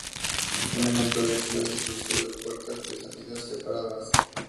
Un ejemplo de esto es el uso de puertas de salida separadas.